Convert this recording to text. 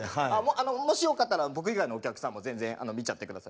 あのもしよかったら僕以外のお客さんも全然見ちゃって下さい。